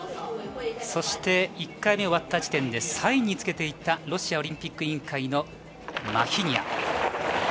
そして、１回目が終わった時点で３位につけていたロシアオリンピック委員会のマヒニア。